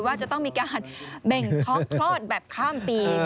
ว่าจะต้องมีการเบ่งท้องคลอดแบบข้ามปี